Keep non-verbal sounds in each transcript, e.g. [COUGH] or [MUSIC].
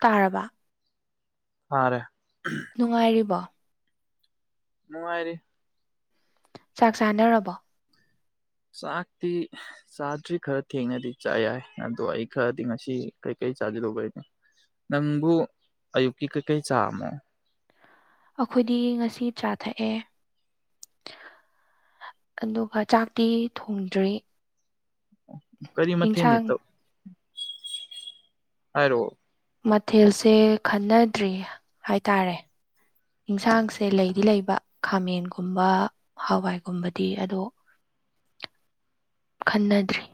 ꯇꯥꯔꯕ ꯍꯔꯦ ꯅꯨꯡꯉꯥꯏꯔꯤꯕꯣ ꯅꯨꯉꯥꯏꯔꯤ ꯆꯥꯛ ꯆꯥꯅꯔꯕꯣ ꯆꯥꯛꯇꯤ ꯆꯥꯗ꯭ꯔꯤ ꯈꯔ ꯊꯦꯡꯅꯗꯤ ꯆꯥ ꯌꯥꯏ ꯑꯗꯣ ꯑꯩ ꯈꯔꯗꯤ ꯉꯁꯤ ꯀꯩꯀꯩ ꯆꯥꯖꯤꯜꯂꯨꯕꯩꯅꯤ ꯅꯪꯕꯨ ꯑꯌꯨꯛꯀꯤ ꯀꯩꯀꯩ ꯆꯥꯝꯃꯣ ꯑꯈꯣꯏꯗꯤ ꯉꯁꯤ ꯆꯥꯊꯛꯑꯦ꯫ ꯑꯗꯨꯒ ꯆꯥꯛꯇꯤ ꯊꯣꯡꯗ꯭ꯔꯤ꯫ ꯀꯔꯤ ꯃꯊ‌ꯦꯟꯗꯤ ꯏꯟꯁꯥꯡ ꯇꯧ ꯍꯥꯏꯔꯛꯑꫭ꯫ ꯃꯊꯦꯜꯁꯦ ꯈꯟꯅꯗ꯭ꯔꯤ ꯍꯥꯏꯇꯥꯔꯦ꯫ ꯏꯟꯁꯥꯡꯁꯦ ꯂꯩꯗꯤ ꯂꯩꯕ ꯈꯥꯃꯦꯟꯒꯨꯝꯕ ꯍꯋꯥꯏꯒꯨꯝꯕꯗꯤ ꯑꯗꯣ꯫ ꯈꯟꯅꯗ꯭ꯔꯤ꯫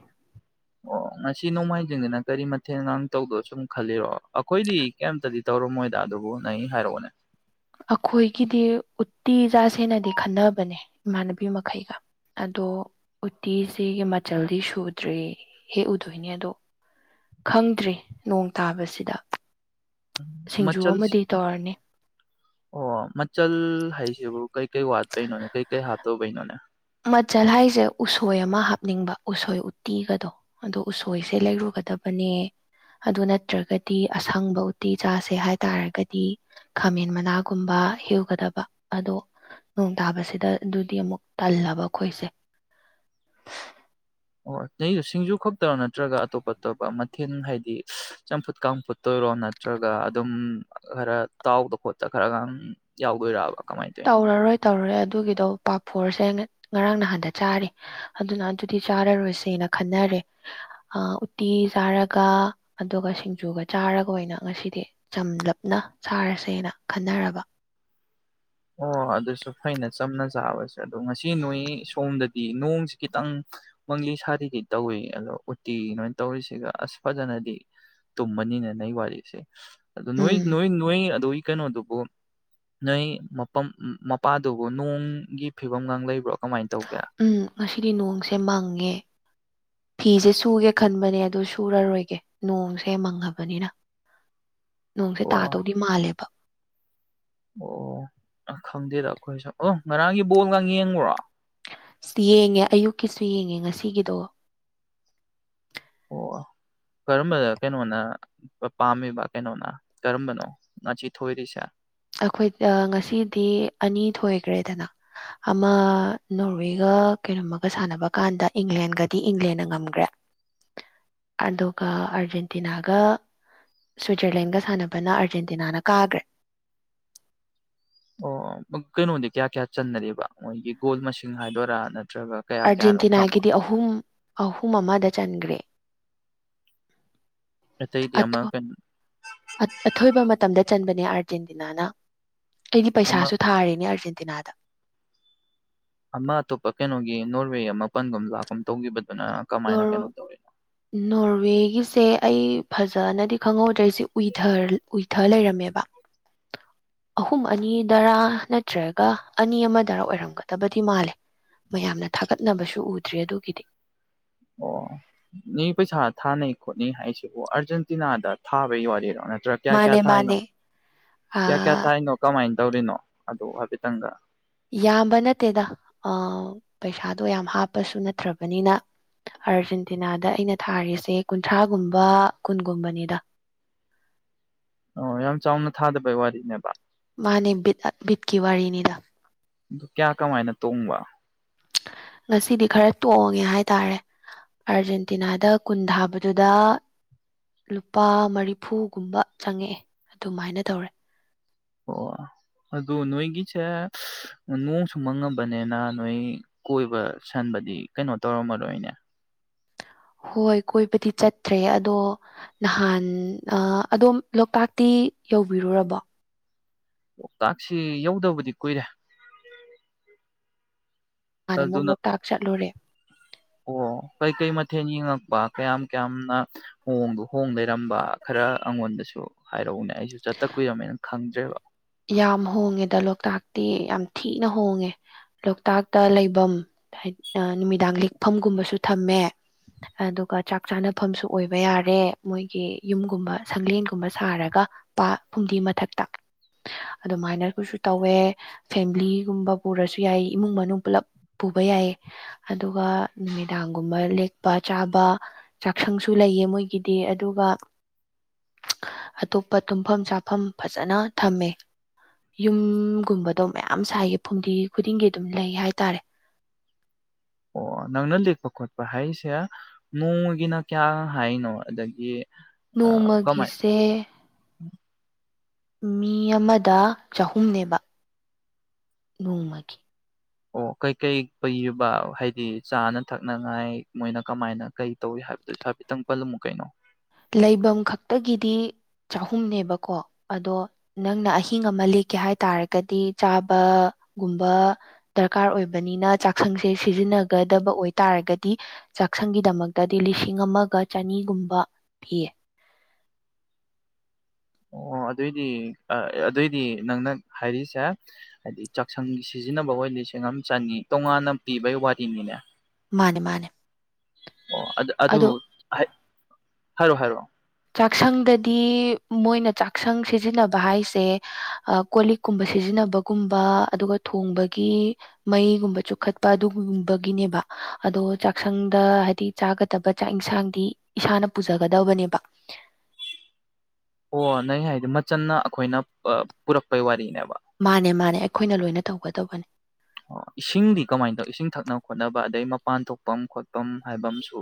ꯑꯣ ꯉꯁꯤ ꯅꯣꯡꯃꯥꯏꯖꯤꯡꯅꯤꯅ ꯀꯔꯤ ꯃꯊꯦꯜꯒꯥꯡ ꯇꯧꯗꯣ ꯁꯨꯝ ꯈꯜꯂꯤꯔꯣ ꯑꯩꯈꯣꯏꯗꯤ꯫ ꯀꯩꯝꯇꯗꯤ ꯇꯧꯔꯝꯃꯣꯏꯗ ꯑꯗꯨꯕꯨ ꯅꯪꯒꯤ ꯍꯥꯏꯔꯛꯑꯣꯅꯦ ꯑꯩꯈꯣꯏꯒꯤꯗꯤ ꯎꯇꯤ ꯆꯥꯁꯦꯅꯗꯤ ꯈꯟꯅꯕꯅꯦ ꯏꯃꯥꯟꯅꯕꯤ ꯃꯈꯩꯒ ꯑꯗꯣ ꯎꯇꯤꯁꯤꯒꯤ ꯃꯆꯜꯗꯤ ꯁꯨꯗ꯭ꯔꯤ ꯍꯦꯛꯎꯗꯣꯏꯅꯦ ꯑꯗꯣ ꯈꯪꯗ꯭ꯔꯤ ꯅꯣꯡ ꯇꯥꯕꯁꯤꯗ ꯁꯤꯡꯖꯨ ꯃꯆꯜ ꯑꯃꯗꯤ ꯇꯧꯔꯅꯤ ꯑꯣ ꯃꯆꯜ ꯍꯥꯏꯁꯤꯕꯨ ꯀꯩꯀꯩ ꯋꯥꯠꯇꯣꯏꯅꯣꯅꯦ ꯀꯩꯀꯩ ꯍꯥꯞꯇꯧꯕꯩꯅꯣꯅꯦ ꯃꯆꯜ ꯍꯥꯏꯁꯦ ꯎꯁꯣꯏ ꯑꯃ ꯍꯥꯞꯅꯤꯡꯕ ꯎꯁꯣꯏ ꯎꯠꯇꯤꯒꯗꯣ ꯑꯗꯣ ꯎꯁꯣꯏꯁꯦ ꯂꯩꯔꯨꯒꯗꯕꯅꯦ ꯑꯗꯨ ꯅꯠꯇ꯭ꯔꯒꯗꯤ ꯑꯁꯪꯕ ꯎꯇꯤ ꯆꯥꯁꯦ ꯍꯥꯏꯇꯥꯔꯒꯗꯤ ꯈꯥꯃꯦꯟ ꯃꯅꯥꯒꯨꯝꯕ ꯍꯦꯛꯎꯒꯗꯕ ꯑꯗꯣ ꯅꯣꯡ ꯇꯥꯕꯁꯤꯗ ꯑꯗꯨꯗꯤ ꯑꯃꯨꯛ ꯇꯜꯂꯕ ꯑꯈꯣꯏꯁꯦ꯫ ꯑꯣ ꯅꯩꯗꯨ ꯁꯤꯡꯖꯨ ꯈꯛꯇꯔꯣ ꯅꯠꯇ꯭ꯔꯒ ꯑꯇꯣꯞ ꯑꯇꯣꯞꯄ ꯃꯊꯦꯜ ꯍꯥꯏꯗꯤ ꯆꯝꯐꯨꯠ ꯀꯥꯡꯐꯨꯠꯇꯣꯏꯔꯣ ꯅꯠ ꯅꯠꯇ꯭ꯔꯒ ꯑꯗꯨꯝ ꯈꯔ ꯇꯥꯎꯗ ꯈꯣꯠꯇ ꯈꯔꯒꯥꯡ ꯌꯥꯎꯗꯣꯏꯔꯕ ꯀꯃꯥꯏꯟ ꯇꯧꯏꯅꯣ꯫ ꯇꯧꯔꯔꯦ ꯑꯗꯨꯒꯤꯗꯣ ꯄꯥꯐꯣꯔꯁꯦ ꯉꯔꯥꯡ ꯅꯍꯥꯟꯗ ꯆꯥꯔꯤ꯫ ꯑꯗꯨꯅ ꯑꯗꯨꯗꯤ ꯆꯥꯔꯔꯣꯏꯁꯦꯅ ꯈꯟꯅꯔꯦ꯫ ꯎꯇꯤ ꯆꯥꯔꯒ ꯑꯗꯨꯒ ꯁꯤꯡꯖꯨꯒ ꯆꯥꯔꯒ ꯑꯣꯏꯅ ꯉꯁꯤꯗꯤ꯫ ꯆꯝꯂꯞꯅ ꯁꯥꯔꯁꯦꯅ ꯈꯟꯅꯔꯕ꯫ ꯑꯣ ꯑꯗꯨꯁꯨ ꯐꯩꯅ ꯆꯝꯅ ꯆꯥꯕꯁꯦ ꯑꯗꯣ ꯉꯁꯤ ꯅꯣꯏ ꯁꯣꯝꯗꯗꯤ ꯅꯣꯡꯁꯤ ꯈꯤꯇꯪ꯫ ꯃꯪꯂꯤ ꯁꯥꯔꯤꯗꯤ ꯇꯧꯏ ꯑꯗꯣ ꯎꯇꯤ ꯅꯣꯏ ꯇꯧꯔꯤꯁꯤꯒ ꯑꯁ ꯐꯖꯅꯗꯤ꯫ ꯇꯨꯝꯃꯅꯤꯅ‌ꯦ ꯅꯩ ꯋꯥꯔꯤꯁꯦ꯫ ꯑꯗꯨ ꯅꯣꯏ ꯎꯝ ꯅꯣꯏ ꯅꯣꯏ ꯑꯗꯨꯏ ꯀꯩꯅꯣꯗꯨꯕꯨ ꯅꯩ꯫ ꯃꯄꯝ ꯃꯄꯥꯗꯨꯕꯨ ꯅꯣꯡꯒꯤ ꯐꯤꯕꯝꯒꯥꯡ ꯂꯩꯕ꯭ꯔꯣ ꯀꯃꯥꯏꯟ ꯇꯧꯒꯦ꯫ ꯎꯝ ꯉꯁꯤꯗꯤ ꯅꯣꯡꯁꯦ ꯃꯪꯉꯦ꯫ ꯐꯤꯁꯦ ꯁꯨꯒꯦ ꯈꯟꯕꯅꯦ ꯑꯗꯨ ꯁꯨꯔꯔꯣꯏꯒꯦ ꯅꯣꯡꯁꯦ ꯃꯪꯉꯕꯅꯤꯅ꯫ ꯅꯣꯡꯁꯦ ꯑꯣ ꯇꯥꯗꯧꯗꯤ ꯃꯥꯜꯂꯦꯕ꯫ ꯑꯣ ꯑ ꯈꯪꯗꯦꯗ ꯑꯈꯣꯏꯁꯨ ꯑꫭ ꯉꯔꯥꯡꯒꯤ ꯕꯣꯜꯒ ꯌꯦꯡꯕ꯭ꯔꯣ꯫ ꯌꯦꯡꯉꯦ ꯑꯌꯨꯛꯀꯤꯁꯨ ꯌꯦꯡꯉꯦ ꯉꯁꯤꯒꯤꯗꯣ꯫ ꯑꯣ꯫ ꯀꯔꯝꯕꯗ ꯀꯩꯅꯣꯅ ꯄꯥꯝꯃꯤꯕ ꯀꯩꯅꯣꯅ ꯀꯔꯝꯕꯅꯣ ꯉꯥꯁꯤ ꯊꯣꯏꯔꯤꯁꯦ꯫ ꯑꯈꯣꯏ ꯉꯁꯤꯗꯤ ꯑꯅꯤ ꯊꯣꯏꯒ꯭ꯔꯦꯗꯅ꯫ ꯑꯃ ꯅꯣꯔꯋꯦꯒ ꯀꯩꯅꯣꯝꯃꯒ ꯁꯥꯟꯅꯕ ꯀꯥꯟꯗ ꯏꯪꯂꯦꯟꯒꯗꯤ ꯏꯪꯂꯦꯟꯅ ꯉꯝꯒ꯭ꯔꯦ꯫ ꯑꯗꯨꯒ ꯑꯔꯖꯦꯟꯇꯤꯅꯥꯒ꯫ ꯁ꯭ꯋꯤꯠꯖꯔꯂꯦꯟꯒ ꯁꯥꯟꯅꯕꯅ ꯑꯥꯔꯖꯦꯟꯇꯤꯅꯥꯅ ꯀꯥꯈ꯭ꯔꯦ꯫ ꯑꯣ ꯀꯩꯅꯣꯗꯤ ꯀꯌꯥ ꯀꯌꯥ ꯆꯟꯅꯔꯤꯕ ꯃꯣꯏꯒꯤ ꯒꯣꯜ ꯃꯁꯤꯡ ꯍꯥꯏꯗꯣꯏꯔ ꯅꯠꯇ꯭ꯔꯒ꯫ ꯀꯌꯥ ꯀꯌꯥꯅꯣ ꯈꯪꯕ ꯑꯥꯔꯖꯦꯟꯇꯤꯅꯥꯒꯤꯗꯤ ꯑꯍꯨꯝ ꯑꯍꯨꯝ ꯑꯃꯗ ꯆꯟꯒ꯭ꯔꯦ꯫ ꯑꯇꯩꯗꯤ ꯑꯃ ꯀꯩꯅꫭ꯫ ꯑꯊꯣꯏꯕ ꯃꯇꯝꯗ ꯆꯟꯕꯅꯦ ꯑꯥꯔꯖꯦꯟꯇꯤꯅꯥꯅ꯫ ꯑꯩꯗꯤ ꯑꯃ ꯄꯩꯁꯥꯁꯨ ꯊꯥꯔꯤꯅꯦ ꯑꯥꯔꯖꯦꯟꯇꯤꯅꯥꯗ꯫ ꯑꯃ ꯑꯇꯣꯞꯄ ꯀꯩꯅꯣꯒꯤ ꯅꯣꯔꯋꯦ ꯑꯃꯃꯥ ꯄꯟꯒꯨꯝ ꯂꯥꯛꯀꯨꯝ ꯇꯧꯒꯤꯕꯗꯨꯅ ꯀꯃꯥꯏꯅ ꯀꯩꯅꯣ ꯅꯣꯔ- ꯇꯧꯏꯅꫭ꯫ ꯅꯣꯔꯋꯦꯒꯤꯁꯦ ꯑꯩ ꯐꯖꯅꯗꯤ ꯈꯪꯍꯧꯗ꯭ꯔꯦꯁꯦ ꯎꯏꯊꯔ ꯎꯏꯊ ꯂꯩꯔꯝꯃꯦꯕ꯫ [INAUDIBLE] ꯑꯍꯨꯝ ꯑꯅꯤꯗꯔ ꯅꯠꯇ꯭ꯔꯒ ꯑꯅꯤ ꯑꯃꯗꯔ ꯑꯣꯏꯔꯝꯒꯗꯕꯗꯤ ꯃꯥꯜꯂꯦ꯫ ꯃꯌꯥꯝꯅ ꯊꯥꯒꯠꯅꯕꯁꯨ ꯎꯗ꯭ꯔꯤ ꯑꯗꯨꯒꯤꯗꯤ꯫ ꯑꯣ ꯅ ꯄꯩꯁꯥ ꯊꯥꯅꯩ ꯈꯣꯠꯅꯩ ꯍꯥꯏꯁꯤꯕꯨ ꯑꯥꯔꯖꯦꯟꯇꯤꯅꯥꯗ ꯊꯥꯕꯩ ꯌꯥꯗꯦꯔꯣ ꯅꯠꯇ꯭ꯔꯒ ꯀꯌꯥ ꯀꯌꯥ ꯃꯥꯅꯦ ꯊꯥꯏꯅꯣ ꯃꯥꯅꯦ ꯀꯌꯥ ꯀꯌꯥ ꯑꯥ, ꯊꯥꯏꯅꯣ ꯀꯃꯥꯏꯅ ꯇꯧꯔꯤꯅꯣ ꯑꯗꯨ ꯍꯥꯏꯐꯦꯠꯇꯪꯒ ꯌꯥꯝꯕ ꯅꯠꯇꯦꯗ ꯄꯩꯁꯥꯗꯣ ꯌꯥꯝ ꯍꯥꯞꯄꯁꯨ ꯅꯠꯇ꯭ꯔꯕꯅꯤꯅ ꯑꯥꯔꯖꯦꯟꯇꯤꯅꯥꯗ ꯑꯩꯅ ꯊꯥꯔꯤꯁꯦ ꯀꯨꯟꯊ꯭ꯔꯥꯒꯨꯝꯕ ꯀꯨꯟꯒꯨꯝꯕꯅꯤꯗ ꯑꯣ ꯌꯥꯝ ꯆꯥꯎꯅ ꯊꯥꯗꯕꯩ ꯋꯥꯔꯤꯅꯦꯕ ꯃꯥꯅꯦ ꯕꯤꯠ ꯑ ꯕꯤꯠꯀꯤ ꯋꯥꯔꯤꯅꯤꯗ ꯑꯗꯨ ꯀꯌꯥ ꯀꯃꯥꯏꯅ ꯇꯣꯡꯕ ꯉꯁꯤꯗꯤ ꯈꯔ ꯇꯣꯡꯉꯤ ꯍꯥꯏꯇꯥꯔꯦ꯫ ꯑꯥꯔꯖꯦꯟꯇꯤꯅꯥꯗ ꯀꯨꯟ ꯊꯥꯕꯗꯨꯗ꯫ ꯂꯨꯄꯥ ꯃꯔꯤꯐꯨꯒꯨꯝꯕ ꯆꯪꯉꯛꯑꯦ ꯑꯗꯨꯃꯥꯏꯅ ꯇꯧꯔꯦ꯫ ꯑꯣ ꯑꯗꯨ ꯅꯣꯏꯒꯤꯁꯦ ꯅꯣꯡꯁꯨꯨ ꯃꯪꯉꯕꯅꯤꯅ ꯅꯣꯏ꯫ ꯀꯣꯏꯕ ꯁꯟꯕꯗꯤ ꯀꯩꯅꯣ ꯇꯧꯔꯝꯃꯔꯣꯏꯅꯦ꯫ ꯍꯣꯏ ꯀꯣꯏꯕꯗꯤ ꯆꯠꯇ꯭ꯔꯦ ꯑꯗꯣ꯫ ꯅꯍꯥꯟ ꯑꯥ ꯑꯗꯣꯝ ꯂꯣꯛꯇꯥꯛꯇꯤ ꯌꯧꯕꯤꯔꯨꯔꯕꯣ꯫ ꯂꯣꯛꯇꯥꯛꯁꯤ ꯌꯧꯗꯕꯗꯤ ꯀꯨꯏꯔꯦ꯫ ꯅꯍꯥꯟ ꯑꯃꫭꯛ ꯑꯗꯨꯅ ꯂꯣꯛꯇꯥꯛ ꯆꯠꯂꯨꯔꯦ꯫ ꯑꯣ ꯀꯩꯀꯩ ꯃꯊꯦꯜ ꯌꯦꯡꯉꯛꯄ ꯀꯌꯥꯝ ꯀꯌꯥꯝꯅ꯫ ꯍꯣꯡꯗ ꯍꯣꯡ ꯂꯩꯔꯝꯕ ꯈꯔ ꯑꯩꯉꯣꯟꯗꯁꯨ ꯍꯥꯏꯔꯛꯎꯅꯦ ꯑꯩꯁꯨ ꯆꯠꯇ ꯀꯨꯏꯗꯧꯃꯦꯅ ꯈꯪꯗ꯭ꯔꯦꯕ ꯌꯥꯝ ꯍꯣꯡꯉꯦꯗ ꯂꯣꯛꯇꯥꯛꯇꯤ ꯌꯥꯝ ꯊꯤꯅ ꯍꯣꯡꯉꯦ ꯂꯣꯛꯇꯥꯛꯇ ꯂꯩꯐꯝ ꯅꯨꯃꯤꯗꯥꯡ ꯂꯤꯛꯐꯝꯒꯨꯝꯕꯁꯨ ꯊꯝꯃꯦ ꯑ ꯑꯗꯨ ꯀ [INAUDIBLE] ꯆꯥꯛ ꯆꯥꯅꯐꯝꯁꯨ ꯑꯣꯏꯕ ꯌꯥꯔꯦ ꯃꯣꯏꯒꯤ ꯌꯨꯝꯒꯨꯝꯕ ꯁꯪꯂꯦꯟꯒꯨꯝꯕ ꯁꯥꯔꯒ ꯄꯥ ꯐꯨꯡꯗꯤ ꯃꯊꯛꯇ ꯑꯗꯨꯃꯥꯏꯅ ꯀꯣꯏꯁꯨ ꯇꯧꯋꯦ ꯐꯦꯃꯤꯂꯤꯒꯨꯝꯕ ꯄꯨꯔꯁꯨ ꯌꯥꯏ ꯏꯃꯨꯡ ꯃꯅꯨꯡ ꯄꯨꯂꯞ ꯄꯨꯕ ꯌꯥꯏ ꯑꯗꯨꯒ ꯅꯨꯃꯤꯗꯥꯡꯒꯨꯝꯕ ꯂꯦꯛꯄ ꯆꯥꯕ ꯆꯥꯛꯁꯪꯁꯨ ꯂꯩꯌꯦ ꯃꯣꯏꯒꯤꯗꯤ ꯑꯗꯨꯒ ꯑꯇꯣꯞꯄ ꯇꯨꯝꯐꯝ ꯆꯥꯐꯝ ꯐꯖꯅ ꯊꯝꯃꯦ ꯌꯨꯝꯒꯨꯝꯕꯗꯣ ꯃꯌꯥꯝ ꯁꯥꯏꯌꯦ ꯐꯨꯝꯗꯤ ꯈꯨꯗꯤꯡꯒꯤ ꯑꯗꯨꯝ ꯂꯩ ꯍꯥꯏꯇꯥꯔꯦ ꯑꯣ ꯅꯪꯅ ꯂꯦꯛꯄ ꯈꯣꯠꯄ ꯍꯥꯏꯁꯦ ꯅꯣꯡꯃꯒꯤꯅ ꯀꯌꯥ ꯍꯥꯏꯅꯣ ꯑꯗꯒꯤ ꯀꯃꯥꯏꯅ ꯅꯣꯡꯃꯒꯤꯁꯦ ꯃꯤ ꯑꯃꯗ ꯆꯍꯨꯝꯅꯦꯕ ꯅꯣꯡꯃꯒꯤ ꯑꯣ ꯀꯩꯀꯩ ꯄꯤꯕ ꯍꯥꯏꯗꯤ ꯆꯥꯅ ꯊꯛꯅꯉꯥꯏ ꯃꯣꯏꯅ ꯀꯃꯥꯏꯅ ꯀꯩ ꯇꯧꯏꯤ ꯍꯥꯏꯕꯗꯨꯁꯨ ꯍꯥꯏꯐꯦꯠꯇꯪ ꯄꯜꯂꯝꯃꯨ ꯀꯩꯅꯣ ꯂꯩꯐꯝ ꯈꯛꯇꯒꯤꯗꯤ ꯆꯍꯨꯝꯅꯦꯕꯀꯣ ꯑꯗꯣ ꯅꯪꯅ ꯑꯍꯤꯡ ꯑꯃ ꯂꯦꯛꯀꯦ ꯍꯥꯏꯇꯥꯥꯔꯒꯗꯤ ꯆꯥꯕꯒꯨꯝꯕ ꯗꯔꯀꯥꯔ ꯑꯣꯏꯕꯅꯤꯅ ꯆꯥꯛꯁꯪꯁꯦ ꯁꯤꯖꯤꯟꯅꯒꯗꯕ ꯑꯣꯏꯇꯥꯔꯒꯗꯤ ꯆꯥꯛꯁꯪꯒꯤꯗꯃꯛꯇꯗꯤ ꯂꯤꯁꯤꯡ ꯑꯃꯒ ꯆꯅꯤꯒꯨꯝꯕ ꯄꯤꯌꯦ ꯑꯣ ꯑꯗꯨꯏꯗꯤ ꯑꯗꯨꯑꯣꯏꯗꯤ ꯅꯪꯅ ꯍꯥꯏꯔꯤꯁꯦ ꯍꯥꯏꯗꯤ ꯆꯥꯛꯁꯪꯒꯤ ꯁꯤꯖꯤꯟꯅꯕ ꯍꯗꯤ ꯁꯦꯡꯉ ꯑꯃ ꯆꯪꯉꯤ ꯇꯣꯉꯥꯟꯅ ꯄꯤꯕꯒꯤ ꯋꯥꯔꯤꯅꯤꯅꯦ ꯃꯥꯅꯦ ꯃꯥꯅꯦ ꯑꯣ ꯑꯗꯨ ꯑꯗꯣ ꯍꯥꯏꯔꯣꯑꯣ ꯍꯥꯏꯔꯛꯑꯣ ꯆꯥꯛꯁꯪꯗꯗꯤ ꯃꯣꯏꯅ ꯆꯥꯛꯁꯪ ꯁꯤꯖꯤꯟꯅꯕ ꯍꯥꯏꯁꯦ ꯀꯣ ꯂꯤꯛ ꯀꯨꯝꯕ ꯁꯤꯖꯤꯟꯅꯕꯒꯨꯝꯕ ꯑꯗꯨꯒ ꯊꯣꯡꯕꯒꯤ ꯃꯩꯒꯨꯝꯕ ꯆꯨꯞꯈꯠꯄ ꯑꯗꯨꯒꯨꯝꯕꯒꯤꯅꯦꯕ ꯑꯗꯣ ꯆꯥꯛꯁꯪꯗ ꯍꯥꯏꯗꯤ ꯆꯥꯒꯗꯕ ꯆꯥꯛ ꯏꯟꯁꯥꯡꯗꯤ ꯏꯁꯥꯅ ꯄꯨꯖꯒꯗꯕꯅꯦꯕ ꯑꯣ ꯅꯪ ꯍꯥꯏꯗꯤ ꯃꯆꯟꯅ ꯑꯩꯈꯣꯏꯅ ꯄꯨꯔꯛꯄꯩ ꯋꯥꯔꯤꯅꯦꯕ ꯃꯥꯅꯦ ꯃꯥꯅꯦ ꯑꯩꯈꯣꯏꯅ ꯂꯣꯏꯅ ꯇꯧꯒꯗꯧꯕꯅꯦ ꯑꯣ ꯏꯁꯤꯡꯗꯤ ꯀꯃꯥꯏꯅ ꯇꯧ ꯏꯁꯤꯡ ꯊꯛꯅꯕ ꯈꯣꯠꯅꯕ ꯑꯗꯩ ꯃꯄꯥꯟ ꯊꯣꯛꯐꯝ ꯈꯣꯠꯐꯝ ꯍꯥꯏꯕ ꯑꯃꯁꯨ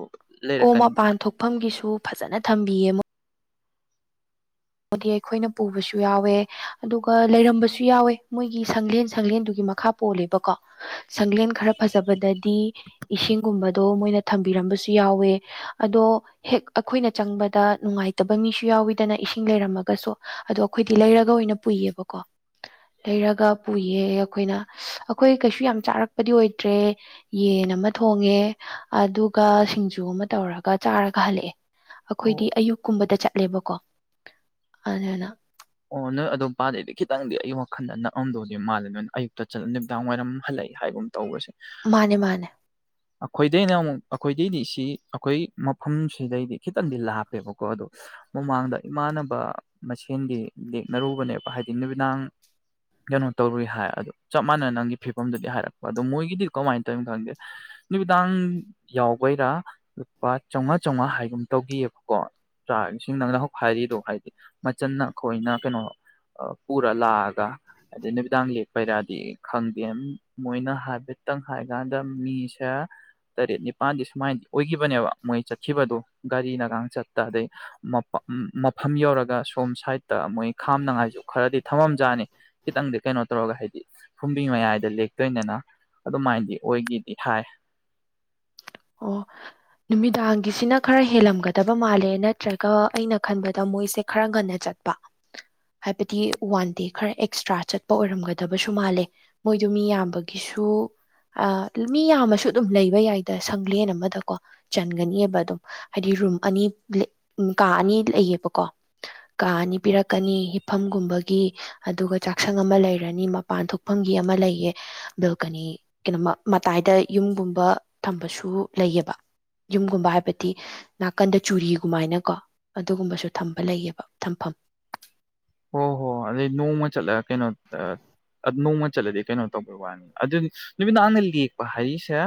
ꯑꯣ ꯃꯄꯥꯟ ꯂꯩꯔꯛꯀꯅꯤꯗꯅ ꯊꯣꯛꯐꯝꯒꯤꯁꯨ ꯐꯖꯅ ꯊꯝꯕꯤꯌꯦ ꯃ ꯗꯤ ꯑꯩꯈꯣꯏꯅ ꯄꯨꯕꯁꯨ ꯌꯥꯎꯋꯦ ꯑꯗꯨꯒ ꯂꯩꯔꯝꯕꯁꯨ ꯌꯥꯎꯋꯦ ꯃꯣꯏꯒꯤ ꯁꯪꯂꯦꯟ ꯁꯪꯂꯦꯟꯗꯨꯒꯤ ꯃꯈꯥ ꯄꯣꯜꯂꯦꯕꯀꯣ ꯁꯪꯂꯦꯟ ꯈꯔ ꯐꯖꯕꯗꯗꯤ ꯏꯁꯤꯡꯒꯨꯝꯕꯗꯣ ꯃꯣꯏꯅ ꯊꯝꯕꯤꯔꯝꯕꯁꯨ ꯌꯥꯎꯋꯦ ꯑꯗꯣ ꯍꯦꯛ ꯑꯩꯈꯣꯏꯅ ꯆꯪꯕꯗ ꯅꯨꯡꯉꯥꯏꯇꯕ ꯃꯤꯁꯨ ꯌꯥꯎꯋꯤꯗꯅ ꯏꯁꯤꯡ ꯁꯤꯡ ꯂꯩꯔꯝꯃꯒꯁꯨ ꯑꯗꯣ ꯑꯩꯈꯣꯏꯗꯤ ꯂꯩꯔꯒ ꯑꯣꯏꯅ ꯄꯨꯏꯌꯦꯕꯀꯣ ꯂꯩꯔꯒ ꯄꯨꯌꯦ ꯑꯩꯈꯣꯏꯅ ꯑꯩꯈꯣꯏ ꯀꯩꯁꯨ ꯌꯥꯝ ꯆꯥꯔꯛꯄꯗꯤ ꯑꯣꯏꯗ꯭ꯔꯦ ꯌꯦꯟ ꯑꯃ ꯊꯣꯡꯉꯦ ꯑꯗꯨꯒ ꯁꯤꯡꯖꯨ ꯑꯃ ꯇꯧꯔꯒ ꯆꯥꯔꯒ ꯍꯜꯂꯛꯑꯦ ꯑꯣ ꯑꯩꯈꯣꯏꯗꯤ ꯑꯌꯨꯛꯀꯨꯝꯕꯗ ꯆꯠꯂꯦꯕꯀꯣ ꯑꯗꯨꯅ ꯑꯣ ꯅꯣꯏ ꯑꯗꯣꯝ ꯄꯄꯥꯗꯩꯗꯤ ꯈꯤꯇꯪꯗꯤ ꯑꯩ ꯋꯥꯈꯜꯗ ꯅꯛꯑꯝꯗꯧꯗꯤ ꯃꯥꯜꯂꯦ ꯅꯣꯏ ꯑꯌꯨꯛꯇ ꯆꯂ ꯅꯨꯃꯤꯗꯥꯡ ꯋꯥꯏꯔꯝ ꯍꯜꯂꯛꯏ ꯍꯥꯏꯕ ꯇꯧꯕꯁꯦ ꯃꯥꯅꯦ ꯃꯥꯅꯦ ꯑꯩꯈꯣꯏꯗꯩꯅ ꯑꯃꯨꯛ ꯑꯩꯈꯣꯏꯗꯩꯗꯤ ꯁꯤ ꯑꯩꯈꯣꯏ ꯃꯐꯝꯁꯤꯗꯩꯗꯤ ꯈꯤꯇꯪꯗꯤ ꯂꯥꯞꯄꯦꯕꯀꯣ ꯑꯗꯣ ꯃꯃꯥꯡꯗ ꯏꯃꯥꯟꯅꯕ ꯃꯁꯦꯟꯒꯤ ꯂꯦꯛꯅꯔꯨꯕꯅꯦꯕ ꯍꯥꯏꯗꯤ ꯅꯨꯃꯤꯗꯥꯡ ꯀꯩꯅꯣ ꯇꯧꯔꯨꯏ ꯍꯥꯏ ꯑ ꯆꯞ ꯃꯥꯟꯅ ꯅꯪꯒꯤ ꯐꯤꯕꯝꯗꯨꯗꯤ ꯍꯥꯏꯔꯛꯄ ꯑꯗꯣ ꯃꯣꯏꯒꯤꯗꯤ ꯀꯃꯥꯏꯅ ꯇꯧꯔꯤꯅꯣ ꯈꯪꯗꯦ ꯅꯨꯃꯤꯗꯥꯡ ꯌꯥꯎꯕꯩꯔꯥ ꯂꯨꯄꯥ ꯆꯥꯃꯉꯥ ꯆꯥꯝꯃꯉꯥ ꯍꯥꯏꯒꯨꯝ ꯇꯧꯈꯤꯑꯕꯀꯣ ꯆꯥꯛ ꯏꯁꯤꯡ ꯅꯪꯅ ꯍꯧꯛ ꯍꯥꯏꯔꯤꯗꯣ ꯍꯥꯏꯗꯤ ꯃꯆꯟꯅ ꯑꯩꯈꯣꯏꯅ ꯀꯩꯅꯣ ꯑ ꯄ ꯄꯨꯔꯂꯑꯒ ꯑꯗꯩ ꯅꯨꯃꯤꯗꯥꯡ ꯂꯦꯛꯄꯩꯔꯗꯤ ꯈꯪꯗꯦ ꯃꯣꯏꯅ ꯍꯥꯏꯐꯦꯠꯇꯪ ꯍꯥꯏꯀꯥꯟꯗ ꯃꯤꯁꯦ ꯇꯔꯦꯠ ꯅꯤꯄꯥꯜꯗꯤ ꯁꯨꯃꯥꯏꯅ ꯑꯣꯏꯈꯤꯕꯅꯦꯕ ꯃꯣꯏ ꯆꯠꯈꯤꯕꯗꯨ ꯒꯥꯔꯤꯅꯒ ꯆꯠꯇ ꯑꯗꯩ ꯎ ꯃꯐꯝ ꯌꯧꯔꯒ ꯁꯣꯝ ꯁꯥꯏꯗꯠꯇ ꯃꯣꯏ ꯈꯥꯝꯅꯉꯥꯏꯁꯨ ꯈꯔꯗꯤ ꯊꯝꯃꯝꯖꯥꯠꯅꯤ ꯈꯤꯇꯪꯗꯤ ꯀꯩꯅꯣ ꯇꯧꯔꯒ ꯍꯥꯏꯗꯤ ꯐꯨꯝꯕꯤ ꯃꯌꯥꯏꯗ ꯂꯦꯛꯇꯣꯏꯅꯤꯅ ꯑꯗꯨꯃꯥꯏꯅꯗꯤ ꯑꯣꯏꯒꯤꯗꯤ ꯍꯥꯏ ꯑꯣ ꯅꯨꯃꯤꯗꯥꯡꯒꯤꯁꯤꯅ ꯈꯔ ꯍꯦꯜꯂꯝꯒꯗꯕ ꯃꯥꯜꯂꯦ ꯅꯠꯇ꯭ꯔꯒ ꯑꯩꯅ ꯈꯟꯕꯗ ꯃꯣꯏꯁꯦ ꯈꯔ ꯉꯟꯅ ꯆꯠ ꯍꯥꯏꯕꯗꯤ ꯋꯥꯟ ꯗꯦ ꯈꯔ ꯑꯦꯛꯁꯇ꯭ꯔꯥ ꯆꯠꯄ ꯑꯣꯏꯔꯝꯒꯗꯕꯁꯨ ꯃꯥꯜꯂꯦ ꯃꯣꯏꯗ ꯃꯤ ꯌꯥꯝꯕꯒꯤꯁꯨ ꯑ ꯃꯤ ꯌꯥꯝꯃꯁꯨ ꯑꯗꯨꯝ ꯂꯩꯕ ꯌꯥꯏꯗꯣ ꯁꯪꯂꯦꯟ ꯑꯃꯗꯀꯣ ꯆꯟꯒꯅꯤꯕ ꯑꯗꯨꯝ ꯍꯥꯏꯗꯤ ꯔꯨꯝ ꯑꯅꯤ ꯀꯥ ꯑꯅꯤ ꯂꯩꯌꯦꯕꯀꯣ ꯀꯥ ꯑꯅꯤ ꯄꯤꯔꯛꯀꯅꯤ ꯍꯤꯐꯝꯒꯨꯝꯕꯒꯤ ꯑꯗꯨꯒ ꯆꯥꯛꯁꯪ ꯑꯃ ꯂꯩꯔꯅꯤ ꯃꯄꯥꯟ ꯊꯣꯛꯐꯝꯒꯤ ꯑꯃ ꯂꯩꯌꯦ ꯕꯦꯜꯀꯅꯤ ꯀꯩꯅꯣ ꯃꯇꯥꯏꯗ ꯌꯨꯝꯒꯨꯝꯕ ꯊꯝꯕꯁꯨ ꯂꯩꯌꯦꯕ ꯌꯨꯝꯒꯨꯝꯕ ꯍꯥꯏꯕꯗꯤ ꯅꯥꯀꯟꯗ ꯆꯨꯔꯤꯒꯨꯝꯃꯥꯏꯅ ꯀꯣ ꯑꯗꯨꯒꯨꯝꯕꯁꯨ ꯊꯝꯕ ꯂꯩꯌꯦꯕ ꯊꯝꯐꯝ ꯍꯣ ꯍꯣ ꯑ ꯅꯣꯡ ꯃ ꯆꯠꯂ ꯀꯩꯅꯣ ꯅꯣꯡꯃ ꯆꯠꯂꯗꯤ ꯀꯩꯅꯣ ꯇꯧꯕꯩ ꯋꯥꯅꯤ ꯑꯗꯨꯗꯤ ꯅꯨꯃꯤꯠꯗꯥꯡꯅ ꯂꯦꯛꯄ ꯍꯥꯏꯔꯤꯁꯦ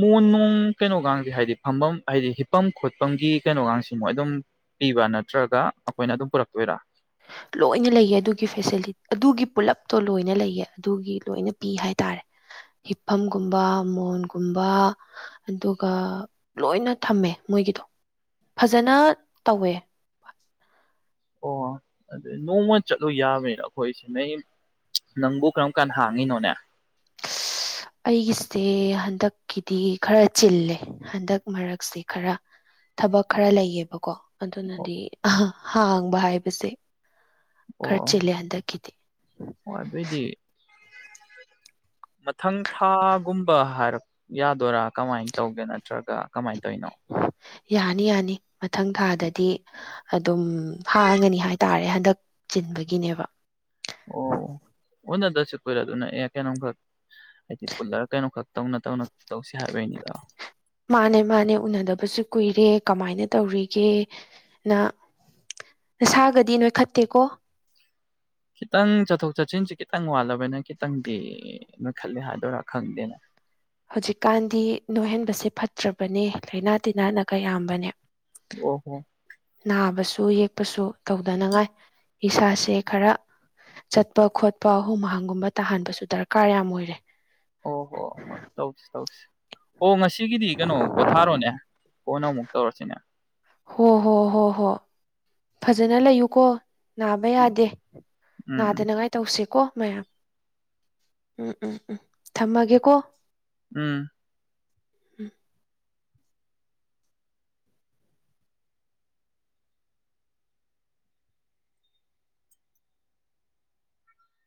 ꯃꯣꯟ ꯅꯨꯡ ꯀꯩꯅꯣꯒꯁꯦ ꯍꯥꯏꯗꯤ ꯐꯝꯐꯝ ꯍꯥꯏꯗꯤ ꯍꯤꯐꯝꯝ ꯈꯣꯠꯄꯒꯤ ꯀꯩꯅꯣꯒꯁꯤ ꯃꯣꯏ ꯑꯗꯨꯝ ꯄꯤꯕ ꯅꯠꯇ꯭ꯔꯒ ꯑꯩꯈꯣꯏꯅ ꯑꯗꯨꯝ ꯄꯨꯔꯛꯇꯣꯏꯔꯥ ꯂꯣꯏꯅ ꯂꯩꯌꯦ ꯑꯗꯨꯒꯤ ꯐꯦꯁꯤꯂꯤ ꯑꯗꯨꯒꯤ ꯄꯨꯂꯞꯇꯣ ꯂꯣꯏꯅ ꯂꯩꯌꯦ ꯑꯗꯨꯒꯤ ꯂꯣꯏꯅ ꯄꯤ ꯍꯥꯏ ꯇꯔꯦ ꯍꯤꯞꯐꯝꯒꯨꯝꯕ ꯃꯣꯟꯒꯨꯝꯕ ꯑꯗꯨꯒ ꯂꯣꯏꯅ ꯊꯝꯃꯦ ꯃꯣꯏꯒꯤꯗꯣ ꯐꯖꯅ ꯇꯧꯋꯦ ꯑꯣ ꯑꯗꯨ ꯅꯣꯡꯃ ꯆꯠꯂꯨ ꯌꯥꯕꯅꯤꯅ ꯑꯩꯈꯣꯏꯁꯤ ꯅ ꯅꯪꯕꯨ ꯀꯔꯝ ꯀꯥꯟꯗ ꯍꯥꯡꯉꯤꯅꯣꯅꯦ ꯑꯩꯒꯤꯁꯦ ꯍꯟꯗꯛꯀꯤꯗꯤ ꯈꯔ ꯆꯤꯜꯂꯦ ꯍꯟꯗꯛ ꯃꯔꯛꯁꯦ ꯈꯔ ꯊꯕꯛ ꯈꯔ ꯂꯩꯌꯦꯕꯀꯣ ꯑꯣ ꯑꯗꯨꯅꯗꯤ ꯍꯥꯡꯕ ꯍꯥꯏꯕꯁꯦ ꯈꯔ ꯆꯤꯜꯂꯦ ꯍꯟꯇꯛꯀꯤꯗꯤ ꯍꯣꯏ ꯑꯗꯨꯏꯗꯤ ꯃꯊꯪ ꯊꯥꯒꯨꯝꯕ ꯍꯥꯏꯔꯛ ꯌꯥꯗꯣꯏꯔꯥ ꯀꯃꯥꯏꯅ ꯇꯧꯒꯦ ꯅꯠꯇ꯭ꯔꯒ ꯀꯃꯥꯏꯅ ꯇꯧꯔꯤꯅꯣ ꯌꯥꯅꯤ ꯌꯥꯅꯤ ꯃꯊꯪ ꯊꯥꯗꯗꯤ ꯑꯗꯨꯝ ꯍꯥꯡꯉꯅꯤ ꯍꯥꯏꯇꯥꯔꯦ ꯍꯟꯗꯛ ꯆꯤꯟꯕꯒꯤꯅꯦꯕ ꯑꯣ ꯑꯣ ꯅ ꯗꯁꯤ ꯄꯣꯏ ꯂ ꯑꯗꯨ ꯑ ꯀꯦꯅꯣ ꯈꯔ ꯍꯥꯏꯗꯤ ꯄꯨꯜꯂꯔꯒ ꯀꯩꯅꯣ ꯈꯛ ꯇꯧꯅ ꯇꯧꯅ ꯇꯧꯁꯤ ꯍꯥꯏꯕꯒꯤꯅꯤꯗ ꯃꯥꯅꯦ ꯃꯥꯅꯦ ꯎꯅꯗꯕꯁꯨ ꯀꯨꯏꯔꯦ ꯀꯃꯥꯏꯅ ꯇꯧꯔꯤꯒꯦ ꯅ ꯅꯁꯥꯒꯗꯤ ꯅꯣꯏ ꯈꯠꯇꯦꯀꯣ ꯈꯤꯇꯪ ꯆꯠꯊꯣꯛ ꯆꯠꯁꯤꯟꯁꯦ ꯈꯤꯇꯪ ꯋꯥꯠꯂꯕꯅ ꯈꯤꯇꯪꯗꯤ ꯅꯣꯏ ꯈꯜꯂꯦ ꯍꯥꯏꯗꯣꯏꯔꯥ ꯈꯪꯗꯦꯅ ꯍꯧꯖꯤꯛꯀꯥꯟꯗꯤ ꯅꯣꯏꯍꯟꯕꯁꯦ ꯐꯠꯇ꯭ꯔꯕꯅꯦ ꯂꯥꯏꯅꯥ ꯇꯤꯟꯅꯥꯅ ꯀꯌꯥꯝꯕꯅꯦ ꯑꯣ ꯍꯣ ꯅꯥꯕꯁꯨ ꯌꯦꯛꯄꯁꯨ ꯇꯧꯗꯅꯉꯥꯏ ꯏꯁꯥꯁꯦ ꯈꯔ ꯆꯠꯄ ꯈꯣꯠꯄ ꯑꯍꯨꯝ ꯑꯍꯪꯒꯨꯝꯕ ꯇꯥꯍꯟꯕꯁꯨ ꯗꯔꯀꯥꯔ ꯌꯥꯝ ꯑꯣꯏꯔꯦ ꯑꯣ ꯍꯣ ꯍꯣ ꯇꯧꯁꯤ ꯇꯧꯁꯤ ꯑꯣ ꯉꯁꯤꯒꯤꯗꯤ ꯀꯩꯅꯣ ꯄꯣꯊꯥꯔꯣꯅꯦ ꯐꯣꯟ ꯑꯃꯨꯛ ꯇꯧꯔꯁꯤꯅꯦ ꯍꯣ ꯍꯣ ꯍꯣ ꯍꯣ ꯐꯖꯅ ꯂꯩꯌꯨꯀꯣ ꯅꯥꯕ ꯎꯝ ꯌꯥꯗꯦ ꯎꯝ ꯅꯥꯗꯅꯉꯥꯏ ꯇꯧꯁꯦꯀꯣ ꯃꯌꯥꯝ ꯎꯝ ꯎꯝ ꯎꯝ ꯊꯝꯃꯒꯦꯀꯣ ꯎꯝ